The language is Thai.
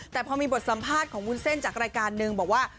แต่พอมีบทสัมภาษณ์ของวุ้นเส้นจากรายการนึงบอกว่า